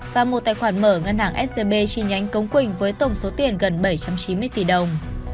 và một tài khoản mở ngân hàng scb chi nhánh cống quỳnh với tổng số tiền gần bảy trăm chín mươi tỷ đồng